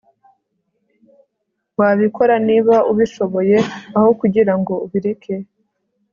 wabikora niba ubishoboye. aho kugirango ubireke